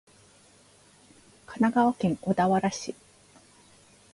神奈川県小田原市